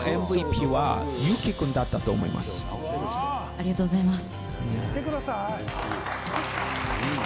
ありがとうございます。